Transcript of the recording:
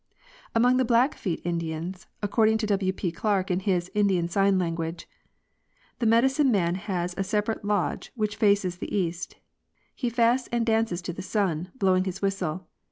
Among the Blackfeet Indians, according to W. P. Clark in his " Indian Sign Language" (Philadelphia, 1885, page 72): The medicine man has a separate lodge, which faces the east. He fasts and dances to the sun, blowing his whistle.